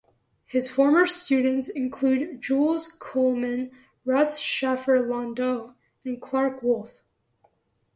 His former students include Jules Coleman, Russ Shafer-Landau, and Clark Wolf.